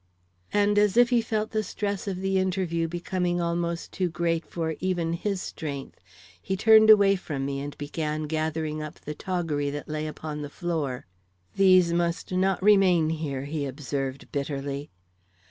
And, as if he felt the stress of the interview becoming almost too great for even his strength, he turned away from me and began gathering up the toggery that lay upon the floor. "These must not remain here," he observed, bitterly.